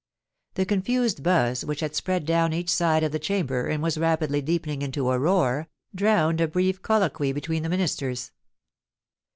The confused buzz which had spread down each side of the Chamber, and was rapidly deepening into a roar, drowned the brief colloquy between the Ministers.